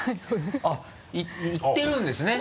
あっ言ってるんですね？